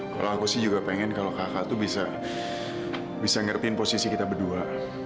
ya aku juga pengen kalau kak diandra bisa ngerti posisi kita berdua